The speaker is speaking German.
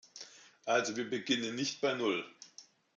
Also wir beginnen nicht bei Null.